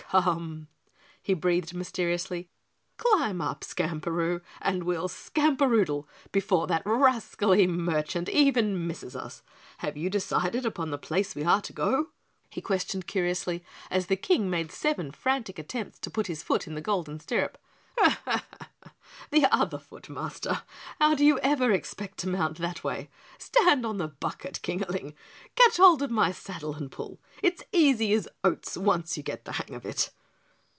"Come!" he breathed mysteriously. "Climb up, Skamperoo, and we'll Skamperoodle before that rascally merchant even misses us. Have you decided upon the place we are to go?" he questioned curiously as the King made seven frantic attempts to put his foot in the golden stirrup. "Heh! Heh! Heh! The other foot, Master. How do you ever expect to mount that way? Stand on the bucket, Kingaling, catch hold of the saddle and pull. It's easy as oats once you get the hang of it."